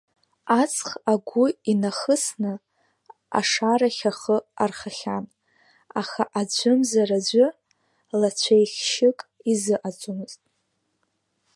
Аҵх агәы инахысны ашарахь ахы архахьан, аха аӡәымзараӡәы лацәеихьшьык изыҟаҵомызт.